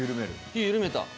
火緩めた。